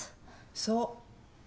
そう。